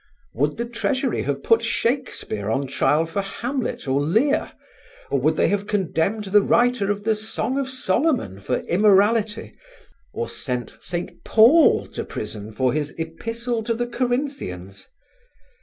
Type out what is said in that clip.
Would the Treasury have put Shakespeare on trial for "Hamlet" or "Lear," or would they have condemned the writer of "The Song of Solomon" for immorality, or sent St. Paul to prison for his "Epistle to the Corinthians"?